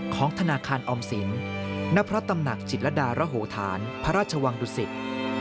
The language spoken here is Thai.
ของธนาคารออมสินณพระตำหนักจิตรดารโหธานพระราชวังดุสิต